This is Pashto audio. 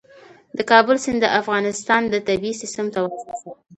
د کابل سیند د افغانستان د طبعي سیسټم توازن ساتي.